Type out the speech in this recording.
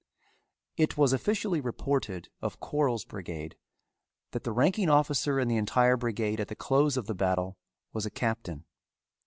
It was officially reported of Quarles's brigade that the ranking officer in the entire brigade at the close of the battle was a captain.